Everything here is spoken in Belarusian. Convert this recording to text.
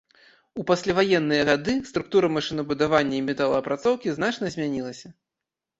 У пасляваенныя гады структура машынабудавання і металаапрацоўкі значна змянілася.